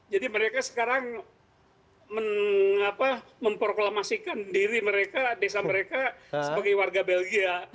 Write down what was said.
jadi mereka sekarang memproklamasikan diri mereka desa mereka sebagai warga belgia